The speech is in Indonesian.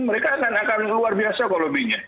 mereka akan keluar biasa kalau lobbynya